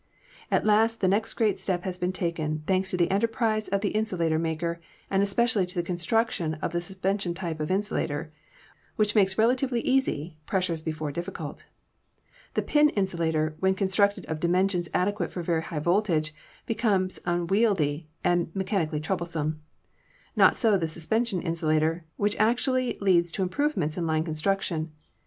"At last the next great step has been taken, thanks to the enterprise of the insulator maker, and especially to the construction of the suspension type of insulator, which makes relatively easy pressures before difficult. The pin insulator, when constructed of dimensions adequate for very high voltage, became unwieldy and mechanically troublesome; not so the suspension insulator, which actu ally leads to improvements in line construction.